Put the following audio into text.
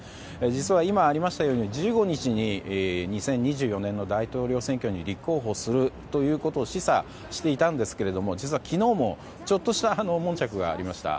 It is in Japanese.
実は今、ありましたように１５日に２０２４年の大統領選挙に立候補すると示唆していたんですけども実は昨日もちょっとした悶着がありました。